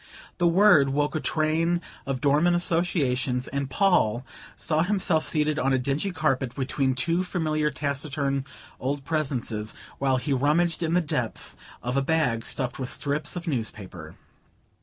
The word woke a train of dormant associations, and Paul saw himself seated on a dingy carpet, between two familiar taciturn old presences, while he rummaged in the depths of a bag stuffed with strips of newspaper.